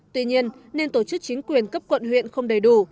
tuy nhiên nên tổ chức chính quyền cấp quận huyện không đầy đủ